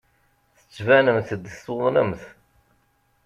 Tettbanemt-d tuḍnemt.